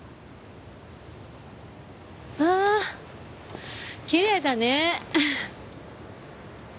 ああきれいだね。